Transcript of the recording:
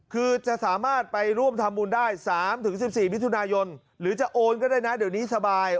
คือจะสามารถไปร่วมทำบุญได้๓๑๔มิถุนายนหรือจะโอนก็ได้นะเดี๋ยวนี้สบาย